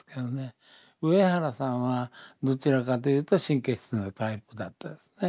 上原さんはどちらかというと神経質なタイプだったですね。